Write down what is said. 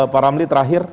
pak ramli terakhir